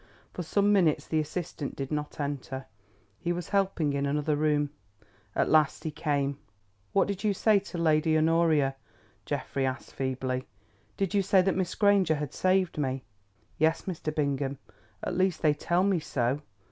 For some minutes the assistant did not enter. He was helping in another room. At last he came. "What did you say to Lady Honoria?" Geoffrey asked feebly. "Did you say that Miss Granger had saved me?" "Yes, Mr. Bingham; at least they tell me so.